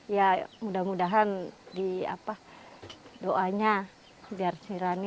ya mudah mudahan di doanya biar si rani